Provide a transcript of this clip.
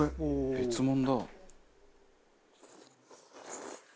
別物だ。